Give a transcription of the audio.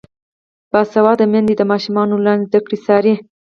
باسواده میندې د ماشومانو انلاین زده کړې څاري.